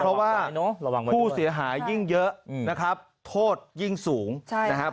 เพราะว่าผู้เสียหายยิ่งเยอะนะครับโทษยิ่งสูงนะครับ